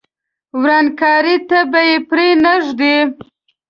ورانکاري ته به پرې نه ږدي.